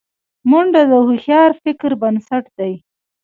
منډه د هوښیار فکر بنسټ دی